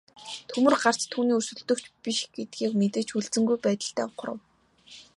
Төмөр гарт түүний өрсөлдөгч биш гэдгээ мэдэж хүлцэнгүй байдалтай ухрав.